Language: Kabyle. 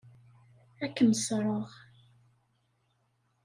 Ad kem-ṣṣreɣ.